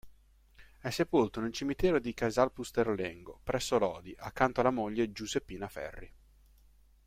È sepolto nel cimitero di Casalpusterlengo, presso Lodi, accanto alla moglie Giuseppina Ferri.